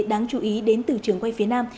đáng chú ý đến từ trường quay phía nam